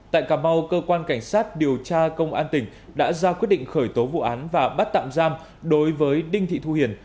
tại cà mau cơ quan cảnh sát điều tra công an tỉnh đã ra quyết định khởi tố vụ án và bắt tạm giam đối với đinh thị thu hiền